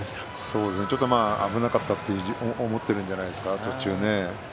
ちょっと危なかったなと思っているんではないでしょうかね。